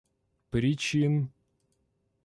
причин